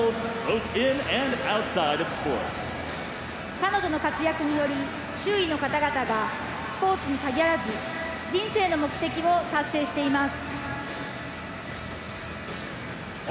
彼女の活躍により周囲の方々がスポーツに限らず人生の目的を達成しています。